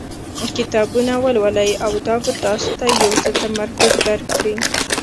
کتابونه ولولئ او دا به تاسو ته یو څه تمرکز درکړي.